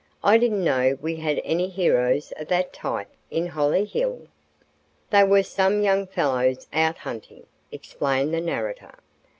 "I didn't know that we had any heroes of that type in Hollyhill." "They were some young fellows out hunting," explained the narrator.